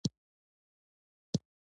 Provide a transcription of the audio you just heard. هیواد دې تل ژوندی وي.